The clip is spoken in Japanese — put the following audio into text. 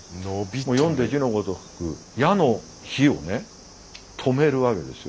読んで字のごとく野の火をね止めるわけですよ。